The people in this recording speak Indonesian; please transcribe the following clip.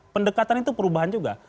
pendekatan itu perubahan juga